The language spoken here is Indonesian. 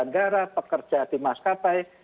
bandara pekerja di maskapai